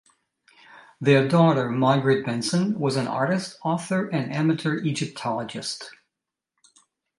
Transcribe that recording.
Their daughter, Margaret Benson, was an artist, author, and amateur Egyptologist.